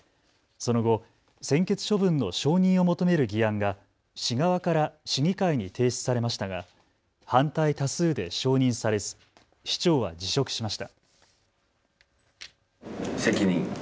その後、専決処分の承認を求める議案が市側から市議会に提出されましたが反対多数で承認されず市長は辞職しました。